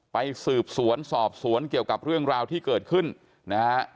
ไปสืบสวนสอบสวนเกี่ยวกับเรื่องราวที่เกิดขึ้นนะฮะ